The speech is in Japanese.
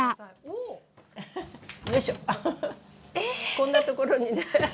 こんなところにねハハハ。